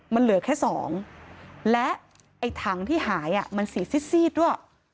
มันเหลือแค่สองและไอ้ถังที่หายมันสีซีดด้วย